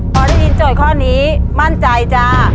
พอได้ยินโจทย์ข้อนี้มั่นใจจ้า